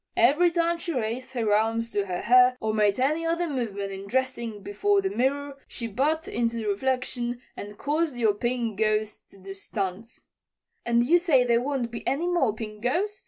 Every time she raised her arms to her hair or made any other movement in dressing before the mirror she butt into the reflection and caused your Pink Ghost to do stunts." "And you say there won't be any more Pink Ghost?"